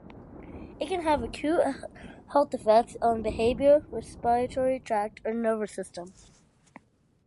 It can have acute health effects on behavior, respiratory tract, and nervous system.